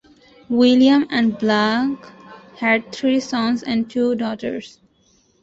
William and Blanche had three sons and two daughters.